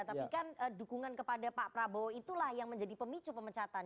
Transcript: tapi kan dukungan kepada pak prabowo itulah yang menjadi pemicu pemecatan